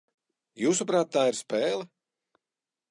Jūsuprāt, tā ir spēle?